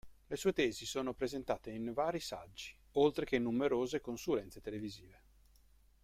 Le sue tesi sono presentate in vari saggi, oltre che in numerose consulenze televisive.